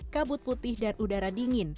kabut putih dan udara dingin